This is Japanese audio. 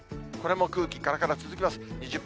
これも空気からから続きます。